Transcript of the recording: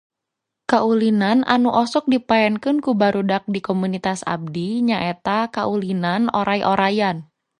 Kaulinan anu osok dipaenkeun ku barudak di komunitas abdi nyaeta kaulinan oray-orayan.